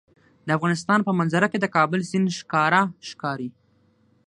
د افغانستان په منظره کې د کابل سیند ښکاره ښکاري.